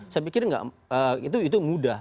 saya pikir itu mudah